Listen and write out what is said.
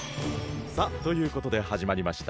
さあということではじまりました！